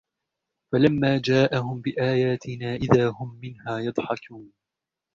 فَلَمَّا جَاءَهُمْ بِآيَاتِنَا إِذَا هُمْ مِنْهَا يَضْحَكُونَ